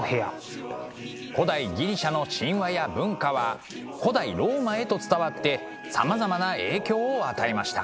古代ギリシャの神話や文化は古代ローマへと伝わってさまざまな影響を与えました。